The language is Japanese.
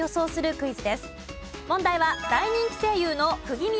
クイズ。